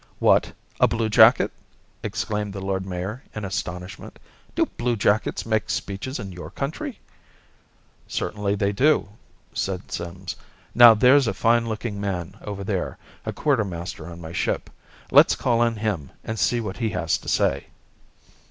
"What, a bluejacket!" exclaimed the lord mayor in astonishment. "Do bluejackets make speeches in your country?" "Certainly they do," said Sims. "Now there's a fine looking man over there, a quartermaster on my ship. Let's call on him and see what he has to say."